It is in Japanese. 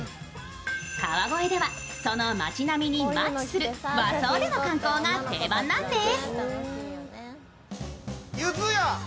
川越ではその町並みにマッチする和装での観光が定番なんです。